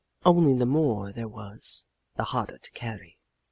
Only the more there was, the harder to carry.